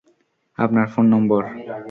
আপনার ফোন নম্বর।